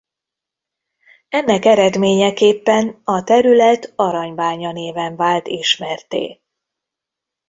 Ennek eredményeképpen a terület Aranybánya néven vált ismertté.